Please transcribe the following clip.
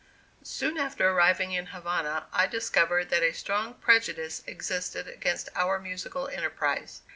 Soon after arriving in Havana, I discovered that a strong prejudice existed against our musical enterprise.